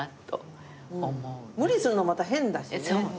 無理すんのまた変だしね。